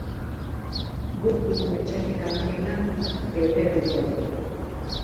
Guk dugun etsairik handiena, geure burua dugu